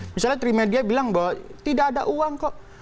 misalnya trimedia bilang bahwa tidak ada uang kok